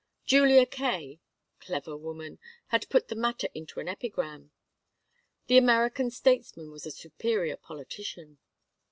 Julia Kaye clever woman! had put the matter into an epigram. The American statesman was the superior politician.